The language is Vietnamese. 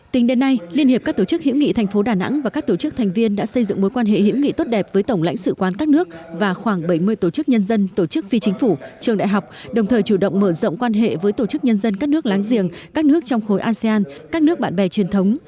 tính đến nay liên hiệp các tổ chức hữu nghị thành phố đà nẵng và các tổ chức thành viên đã xây dựng mối quan hệ hữu nghị tốt đẹp với tổng lãnh sự quán các nước và khoảng bảy mươi tổ chức nhân dân tổ chức phi chính phủ trường đại học đồng thời chủ động mở rộng quan hệ với tổ chức nhân dân các nước láng giềng các nước trong khối asean các nước bạn bè truyền thống